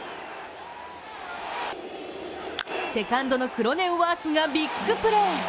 セカンドのクロネンワースがビッグプレー。